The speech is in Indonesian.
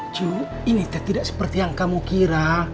cuk ini teh tidak seperti yang kamu kira